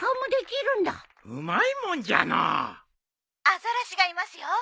アザラシがいますよ。